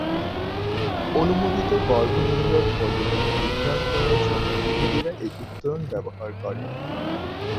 অনুমোদিত গর্ভনিরোধক পদ্ধতি নির্ধারণ করার জন্য ইহুদীরা এই উত্তরণ ব্যবহার করে।